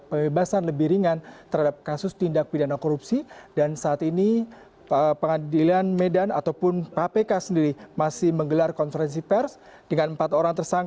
saya berterima kasih kepada pak ketua dan pak ketua keputusan